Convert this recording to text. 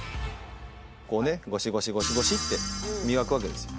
こうねゴシゴシゴシゴシって磨くわけですよ。